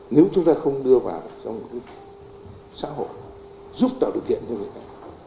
nếu chúng ta không đưa vào trong một xã hội giúp tạo điều kiện cho người ta